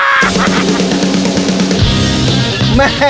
จับ